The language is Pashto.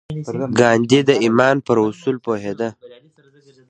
ګاندي د ايمان پر اصل پوهېده.